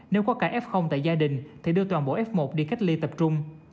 nếu có cả f tại gia đình thì đưa toàn bộ f một đi cách ly tập trung